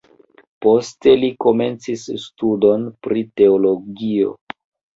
Poste li komencis studon pri teologio.